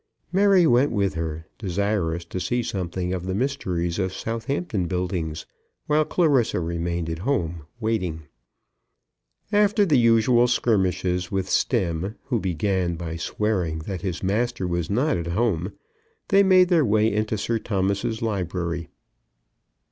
Mary went with her, desirous to see something of the mysteries of Southampton Buildings, while Clarissa remained at home, waiting. After the usual skirmishes with Stemm, who began by swearing that his master was not at home, they made their way into Sir Thomas's library.